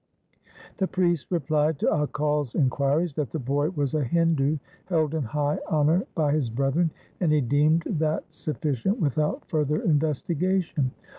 The priest replied to Akal's inquiries that the boy was a Hindu held in high honour by his brethren ; and he deemed that sufficient without further investigation.